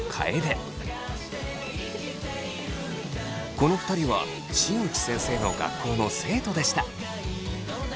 この２人は新内先生の学校の生徒でした。